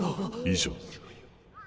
以上。